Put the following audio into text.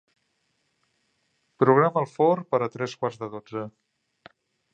Programa el forn per a tres quarts de dotze.